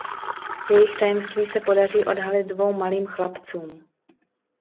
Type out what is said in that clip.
Jejich tajemství se podaří odhalit dvou malým chlapcům.